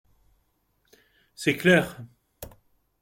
C’est clair.